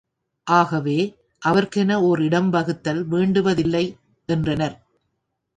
ஆகவே, அவர்க்கென ஒர் இடம் வகுத்தல் வேண்டுவதில்லை, என்றனர்.